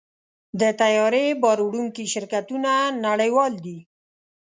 د طیارې بار وړونکي شرکتونه نړیوال دي.